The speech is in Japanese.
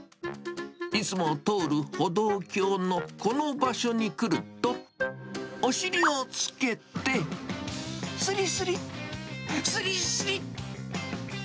いつも通る歩道橋のこの場所に来ると、お尻をつけて、すりすり、すりすり。